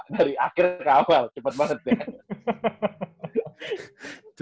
dari akhir ke awal cepet banget ya